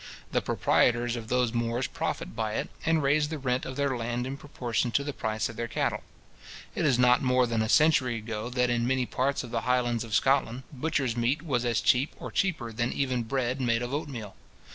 The proprietors of those moors profit by it, and raise the rent of their land in proportion to the price of their cattle. It is not more than a century ago, that in many parts of the Highlands of Scotland, butcher's meat was as cheap or cheaper than even bread made of oatmeal.